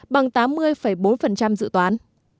bằng tám mươi bốn dự toán